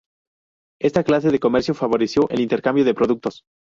Esta clase de comercio favoreció el intercambio de productos.